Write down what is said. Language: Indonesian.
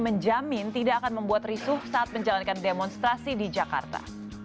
menjamin tidak akan membuat risuh saat menjalankan demonstrasi di jakarta